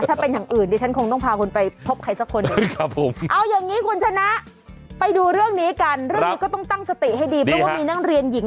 ถ้าเป็นอย่างอื่นดิฉันคงต้องพาคุณไปพบใครสักคนหนึ่ง